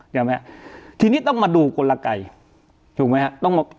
ถูกมั้ยฮะทีนี้ต้องมาดูคนละไก่ถูกมั้ยฮะ